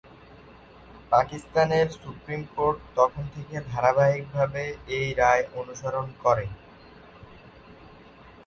পাকিস্তানের supreme court তখন থেকে ধারাবাহিকভাবে এই রায় অনুসরণ করে।